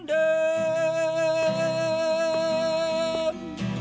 เดิม